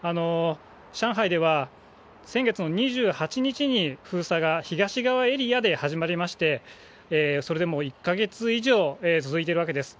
上海では、先月の２８日に封鎖が東側エリアで始まりまして、それでも１か月以上、続いているわけです。